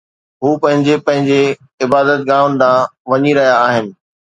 هو پنهنجي پنهنجي عبادت گاهن ڏانهن وڃي رهيا آهن